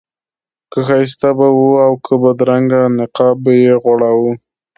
که ښایسته به و او که بدرنګه نقاب به یې غوړاوه.